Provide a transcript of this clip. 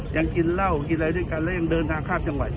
กินเหล้ากินอะไรด้วยกันแล้วยังเดินทางข้ามจังหวัด